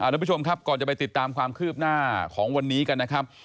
ทุกผู้ชมครับก่อนจะไปติดตามความคืบหน้าของวันนี้กันนะครับ